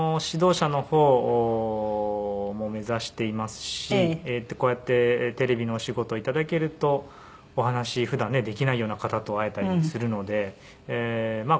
指導者の方も目指していますしこうやってテレビのお仕事を頂けるとお話し普段ねできないような方と会えたりするので。